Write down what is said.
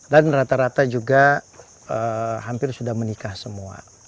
dan rata rata juga hampir sudah menikah semua